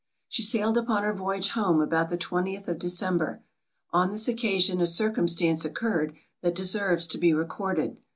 She sailed upon her voyage home about the twentieth of December. On this occasion a circumstance occurred, that deserves to be recorded.